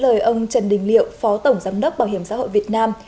báo tuổi trẻ dẫn lời ông trần đình liệu phó tổng giám đốc bảo hiểm xã hội việt nam